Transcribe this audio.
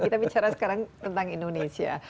kita bicara sekarang tentang indonesia